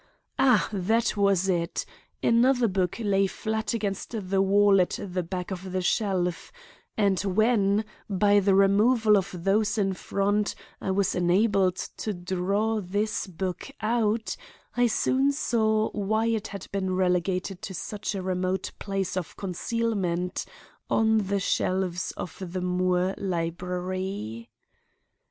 Ah! that was it! Another book lay flat against the wall at the back of the shelf; and when, by the removal of those in front I was enabled to draw this book out, I soon saw why it had been relegated to such a remote place of concealment on the shelves of the Moore library.